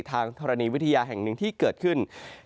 ธรณีวิทยาแห่งหนึ่งที่เกิดขึ้น